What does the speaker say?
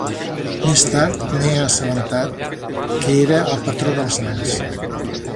Més tard m'he assabentat que era el patró dels nens.